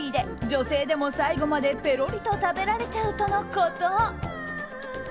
女性でも最後まで、ぺろりと食べられちゃうとのこと。